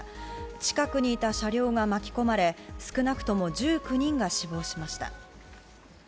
近くにいた車両が巻き込まれ少なくとも１９人が死亡しました。